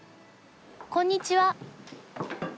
こんにちは。